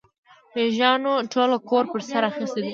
مېږيانو ټول کور پر سر اخيستی دی.